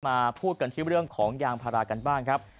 มาพูดกันที่เรื่องของยางพารากันบ้างครับ